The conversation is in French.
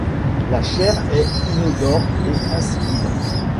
La chair est inodore et insipide.